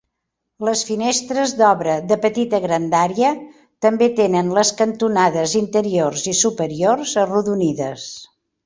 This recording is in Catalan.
Les finestres d'obra, de petita grandària, també tenen les cantonades interiors i superiors arrodonides.